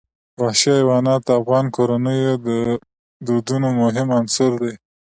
وحشي حیوانات د افغان کورنیو د دودونو مهم عنصر دی.